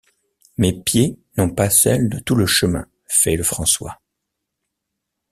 Mes pieds n’ont pas celle de tout le chemin, feit le Françoys.